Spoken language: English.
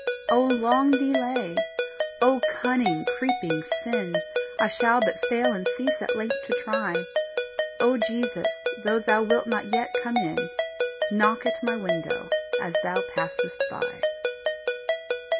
Ah long delay! ah cunning, creeping sin! I shall but fail and cease at length to try: O Jesus, though thou wilt not yet come in, Knock at my window as thou passest by.